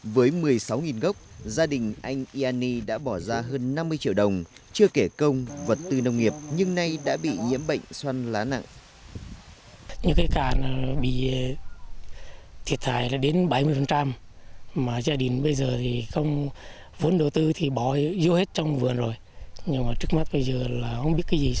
với một mươi sáu gốc gia đình anh yanni đã bỏ ra hơn năm mươi triệu đồng chưa kể công vật tư nông nghiệp nhưng nay đã bị nhiễm bệnh xoăn lá nặng